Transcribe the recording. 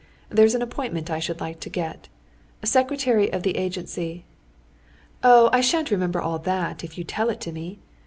There's an appointment I should like to get—secretary of the agency...." "Oh, I shan't remember all that, if you tell it to me....